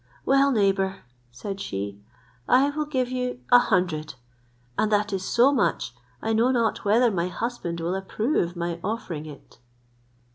"Well, neighbour," said she, "I will give you a hundred, and that is so much, I know not whether my husband will approve my offering it."